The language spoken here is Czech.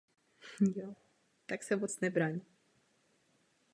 Důkazy na podporu těchto souvislostí jsou však slabé.